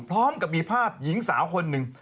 พร้อมกับมีภาพหญิงสาวคนหนึ่ง